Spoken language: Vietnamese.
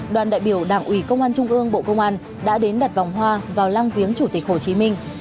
đoàn đại biểu đảng ủy công an trung ương bộ công an đã đến đặt vòng hoa vào lăng viếng chủ tịch hồ chí minh